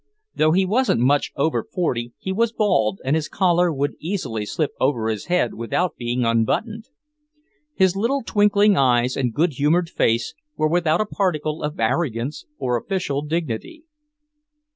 Though he wasn't much over forty, he was bald, and his collar would easily slip over his head without being unbuttoned. His little twinkling eyes and good humoured face were without a particle of arrogance or official dignity.